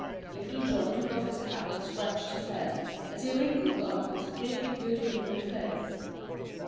Little John took off his cap and scratched his head, as he wrinkled up his big, good humored face.